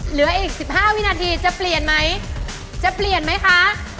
เหลืออีก๑๕วินาทีจะเปลี่ยนไหมจะเปลี่ยนไหมคะ